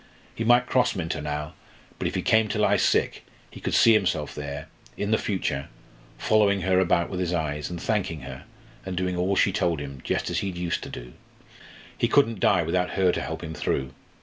He might cross Minta now, but if he came to lie sick, he could see himself there, in the future, following her about with his eyes, and thanking her, and doing all she told him, just as he'd used to do. He couldn't die without her to help him through.